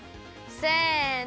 せの！